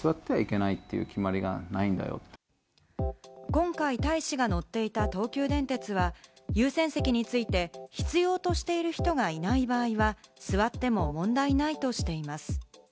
今回大使が乗っていた東急電鉄は、優先席について必要としている人がいない場合は座っても問題ないとしています。